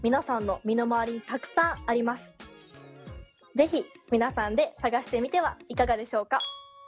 是非皆さんで探してみてはいかがでしょうか？